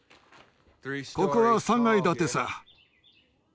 ここは３階建てさ。